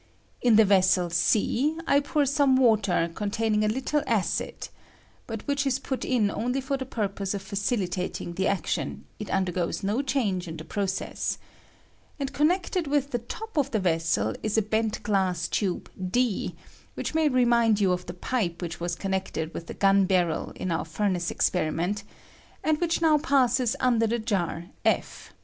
In the vessel (c) I pour some water containing a little acid (but which ia put in only for the pur pose of facilitating the action ; it undergoes no change in the process), and connected with the top of the vessel is a bent glass tube (d), which may remind you of the pipe which was con nected with the gun barrel in our furnace ex periment, and which now passes under the (f).